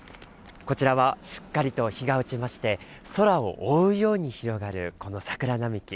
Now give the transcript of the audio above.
こちらはしっかりと日が落ちまして、空を覆うように広がる、この桜並木。